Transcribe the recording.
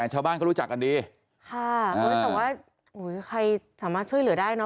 ชาวบ้านเขารู้จักกันดีค่ะแต่ว่าอุ้ยใครสามารถช่วยเหลือได้เนอ